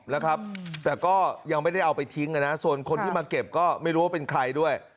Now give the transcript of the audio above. นะครับแต่ก็ยังไม่ได้เอาไปทิ้งนะส่วนคนที่มาเก็บก็ไม่รู้ว่าเป็นใครด้วย